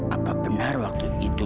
apa benar waktu itu